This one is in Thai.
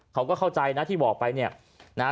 เขาก็เข้าใจนะที่บอกไปนะ